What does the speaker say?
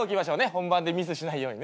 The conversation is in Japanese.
本番でミスしないようにね。